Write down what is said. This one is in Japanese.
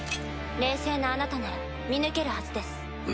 冷静なあなたなら見抜けるはずです。